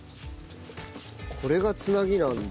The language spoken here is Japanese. これがつなぎなんだ。